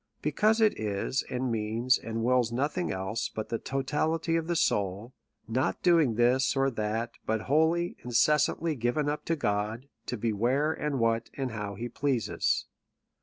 Because it is, and means, and wills nothing else, but the totality of the soul: not doing this, or that; but wholly, incessantly given up to God, to be where, and what, and how he pleases.